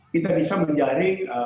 kita bisa menjari